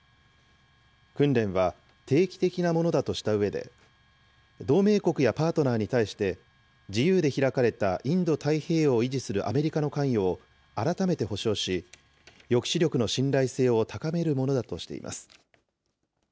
訓練は定期的なものだとしたうえで、同盟国やパートナーに対して、自由で開かれたインド太平洋を維持するアメリカの関与を改めて保証し、抑止力の信頼性を高めるものだとしています。